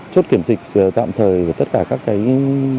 chốt kiểm dịch tạm thời tất cả các cái